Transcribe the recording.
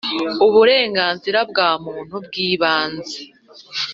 Uburenganzira bwa Muntu bw’Ibanze